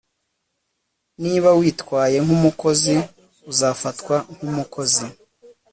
Niba witwaye nkumukozi uzafatwa nkumukozi